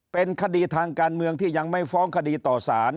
เป็นคดีทางการเมืองที่ยังไม่ฟ้องคดีต่อสาร